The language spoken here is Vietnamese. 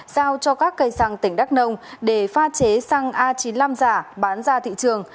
giao cho các cây xăng tỉnh đắk nông để pha chế xăng a chín mươi năm giả bán ra thị trường